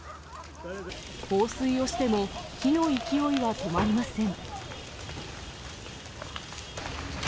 放水をしても、火の勢いは止まりません。